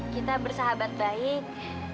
kita bersahabat baik